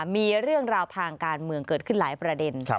มีเรื่องราวทางการเมืองเกิดขึ้นหลายประเด็น